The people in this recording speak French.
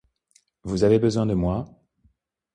Vous avez besoin de moi ?